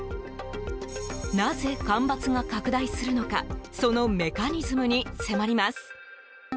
なぜ干ばつが拡大するのかそのメカニズムに迫ります。